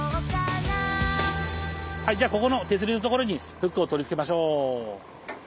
はいじゃあここの手すりの所にフックを取り付けましょう。